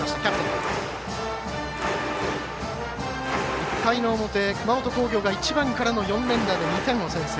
１回の表、熊本工業が１番からの４連打で２点を先制。